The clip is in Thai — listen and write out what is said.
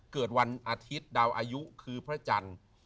เกิดวันอาทิตย์ดาวอายุคือพระจันทร์